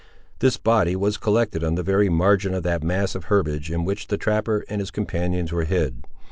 This body was collected on the very margin of that mass of herbage in which the trapper and his companions were hid.